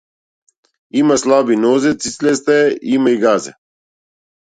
Има слаби нозе, цицлеста е, има и газе.